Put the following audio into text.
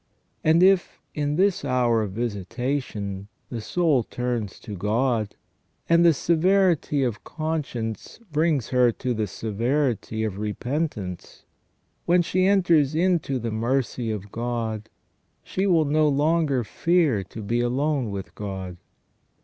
And if, in this hour of visitation, the soul turns to God, and the severity of conscience brings her to the severity of repentance, when she enters into the mercy of God she will no longer fear to be alone with God.